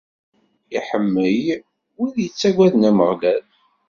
Iḥemmel wid yettaggaden Ameɣlal.